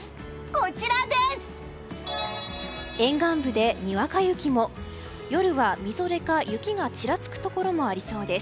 こちらです！